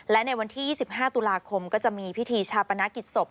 และในวันที่๒๕ตุลาคมก็จะมีพิธีชาปนกิจศพ